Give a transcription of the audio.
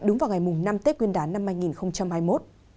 đúng vào ngày năm tết quyên đán năm hai nghìn hai mươi một